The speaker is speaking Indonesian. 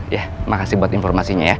ya makasih buat informasinya ya